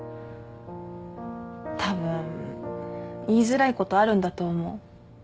たぶん言いづらいことあるんだと思う。